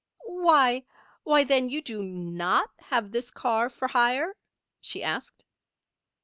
"Why why, then you do not have this car for hire?" she asked.